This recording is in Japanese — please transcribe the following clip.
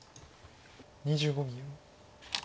２５秒。